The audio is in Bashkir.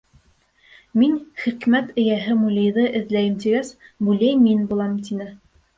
Мин хикмәт эйәһе Мулейҙы эҙләйем, тигәс, Мулей мин булам, тине.